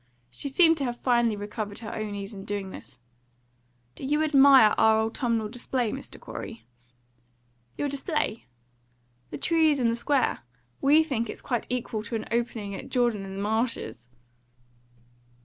She seemed to have finally recovered her own ease in doing this. "Do you admire our autumnal display, Mr. Corey?" "Your display?" "The trees in the Square. WE think it's quite equal to an opening at Jordan & Marsh's."